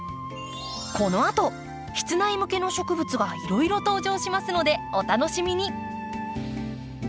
このあと室内向けの植物がいろいろ登場しますのでお楽しみに。